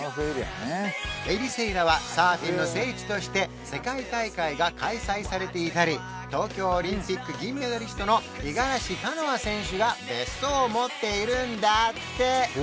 エリセイラはサーフィンの聖地として世界大会が開催されていたり東京オリンピック銀メダリストの五十嵐カノア選手が別荘を持っているんだって